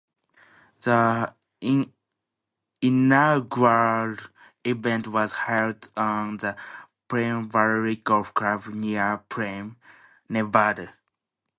The inaugural event was held at the Primm Valley Golf Club near Primm, Nevada.